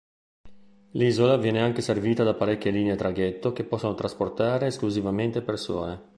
L'isola viene anche servita da parecchie linee traghetto che possono trasportare esclusivamente persone.